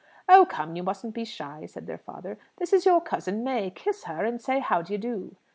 "Oh, come, you mustn't be shy," said their father. "This is your cousin May; kiss her, and say, 'How d'ye do?'"